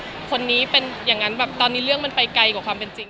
ทุกคนรู้จักวันว่าคนที่เห็นวันนี้เป็นอย่างนั้นแบบตอนนี้เรื่องมันไปไกลกว่าความเป็นจริง